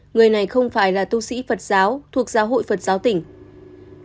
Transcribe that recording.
người này không phải là tu sĩ phật giáo thuộc giáo hội phật giáo tỉnh